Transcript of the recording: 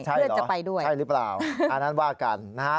เพื่อจะไปด้วยใช่หรือเปล่าอันนั้นว่ากันนะฮะ